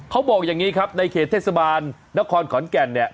เขาบอกอย่างนี้ครับในเขตเทศบาลนครขอนแก่นเนี่ย